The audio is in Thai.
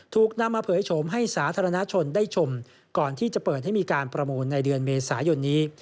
ถูกนำมาเผยโฉมให้สาธารณชนได้ชมก่อนที่จะเปิดให้มีการประมูลในเดือนเมษายนนี้